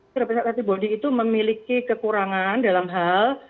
tes anti bodi itu memiliki kekurangan dalam hal